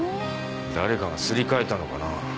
誰かがすり替えたのかな。